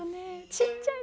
ちっちゃい。